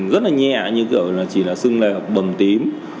rất là nhẹ như kiểu là chỉ là xưng lè hoặc bầm tím